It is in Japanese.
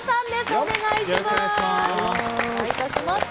お願いいたします。